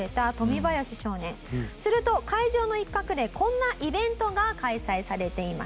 すると会場の一角でこんなイベントが開催されていました。